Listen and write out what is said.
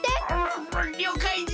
りょうかいじゃ。